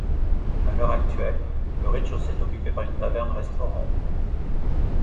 À l'heure actuelle, le rez-de-chaussée est occupé par une taverne-restaurant.